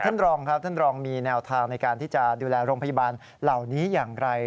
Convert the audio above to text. ท่านรองครับท่านรองมีแนวทางในการที่จะดูแลโรงพยาบาลเหล่านี้อย่างไร